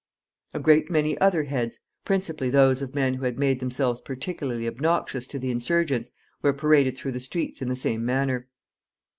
A great many other heads, principally those of men who had made themselves particularly obnoxious to the insurgents, were paraded through the streets in the same manner.